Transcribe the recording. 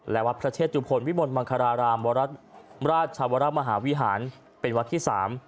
และวัดพระเชตุพลวิมลมังคารารามราชวรมหาวิหารเป็นวัดที่๓